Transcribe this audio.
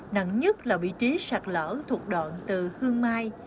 nặng nhất là vị trí sạt lở thuộc đoạn từ hương mai